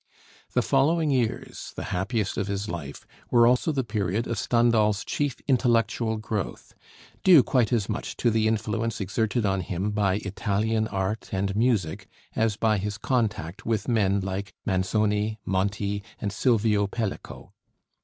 The following years, the happiest of his life, were also the period of Stendhal's chief intellectual growth, due quite as much to the influence exerted on him by Italian art and music as by his contact with men like Manzoni, Monti, and Silvio Pellico.